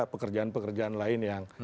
pekerjaan pekerjaan lain yang